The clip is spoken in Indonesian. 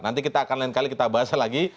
nanti kita akan lain kali kita bahas lagi